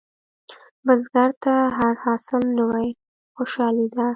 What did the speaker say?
بزګر ته هر حاصل نوې خوشالي ده